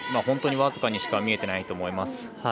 本当に僅かにしか見えていないと思います。